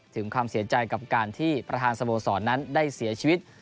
ถึงความเสียใจกับการที่ประธานสโมสรนั้นได้เสียชีวิต